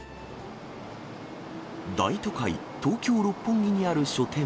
大都会、東京・六本木にある書店。